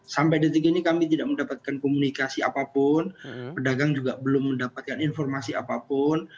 sampai detik ini kami tidak mendapatkan komunikasi apapun pedagang juga belum mendapatkan informasi apapun